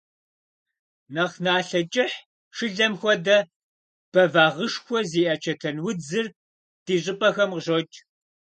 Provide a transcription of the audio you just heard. Нэхъ налъэ кӀыхь, шылэм хуэдэ, бэвагъышхуэ зиӀэ чэтэнудзыр ди щӀыпӀэхэм къыщокӀ.